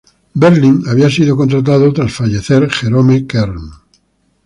Berlin había sido contratado tras fallecer Jerome Kern.